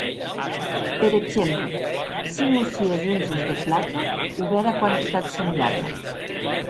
Per exemple, cinc o sies onzes de plata o bèra quantitat semblabla.